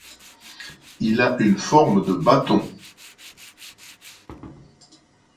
Il a une forme de bâton.